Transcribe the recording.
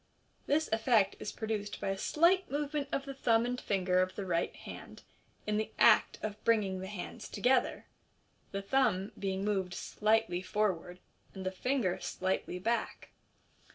This effect is produced by a slight movement of the thumb and finger of the right hand in the act of biinging the hands together, the thumb being moved slightly for ward, and the ringer slightly back.